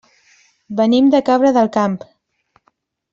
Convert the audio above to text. Venim de Cabra del Camp.